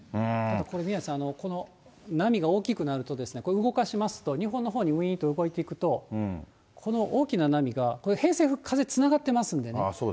これ、宮根さん、この波が大きくなると、これ、動かしますと、日本のほうにういーんって動いていくと、この大きな波が、これ、偏西風、風つながっていますのでね。